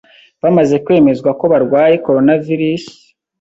bamaze kwemezwa ko barwaye coronavirus